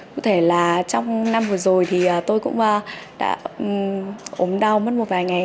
cụ thể là trong năm vừa rồi thì tôi cũng đã ốm đau mất một vài ngày